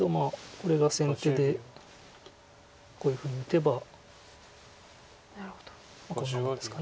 これが先手でこういうふうに打てばこんな感じですか。